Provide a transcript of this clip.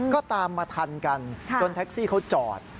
ก็ตามมาทันกันจนแท็กซี่เขาจอด